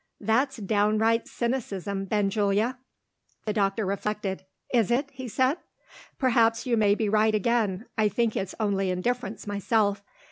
"That's downright cynicism, Benjulia!" The doctor reflected. "Is it?" he said. "Perhaps you may be right again. I think it's only indifference, myself.